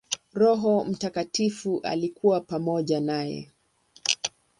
Roho Mtakatifu alikuwa pamoja naye.